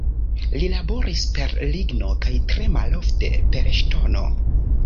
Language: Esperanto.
Li laboris per ligno kaj tre malofte per ŝtono.